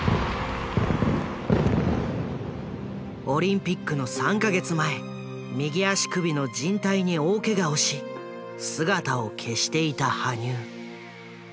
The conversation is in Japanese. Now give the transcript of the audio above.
オリンピックの３か月前右足首のじん帯に大ケガをし姿を消していた羽生。